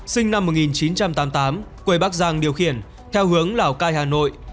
sinh năm một nghìn chín trăm tám mươi tám quê bắc giang điều khiển theo hướng lào cai hà nội